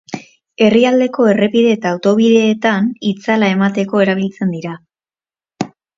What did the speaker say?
Herrialdeko errepide eta autobideetan itzala emateko erabiltzen dira.